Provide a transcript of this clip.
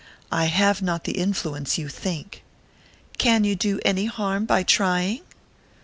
"I have not the influence you think " "Can you do any harm by trying?"